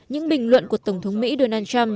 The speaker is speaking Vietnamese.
những bình luận của tổng thống mỹ donald trump